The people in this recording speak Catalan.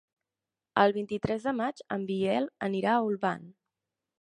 El vint-i-tres de maig en Biel anirà a Olvan.